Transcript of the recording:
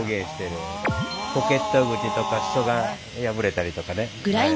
ポケット口とか裾が破れたりとかね。